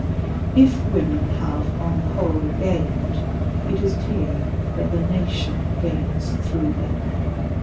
If women have on the whole gained, it is clear that the nation gains through them.